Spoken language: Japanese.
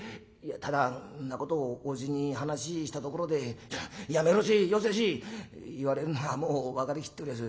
ただんなことをおじに話したところで『やめろせよせし』言われんのはもう分かりきっておりやす。